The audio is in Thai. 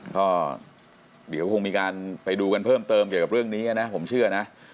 ก็เดี๋ยวคงมีการไปดูกันเพิ่มเติมเกี่ยวกับเรื่องนี้นะผมเชื่อนะ